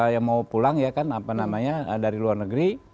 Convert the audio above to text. yang mau pulang dari luar negeri